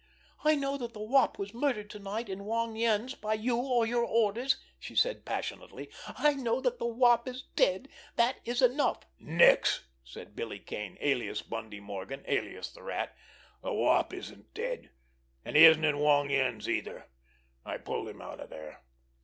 "I know that the Wop was murdered to night in Wong Yen's by you, or your orders," she said passionately. "I know that the Wop is dead—that is enough!" "Nix!" said Billy Kane, alias Bundy Morgan, alias the Rat. "The Wop isn't dead, and he isn't in Wong Yen's either. I pulled him out of there."